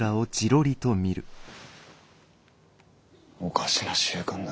おかしな習慣だ。